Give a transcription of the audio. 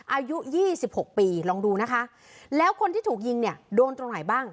อายุ๒๖ปีลองดูนะคะแล้วคนที่ถูกยิงโดนตรงไหนบ้าง